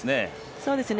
そうですね。